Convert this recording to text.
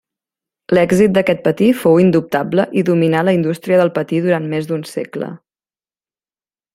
L'èxit d'aquest patí fou indubtable i dominà la indústria del patí durant més d'un segle.